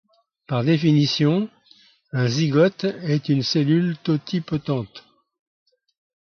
Par définition, un zygote est une cellule totipotente.